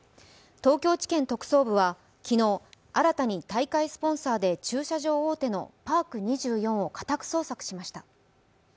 東京地検特捜部は昨日、新たに大会スポンサーで駐車場大手のパーク２４を家宅捜索しました。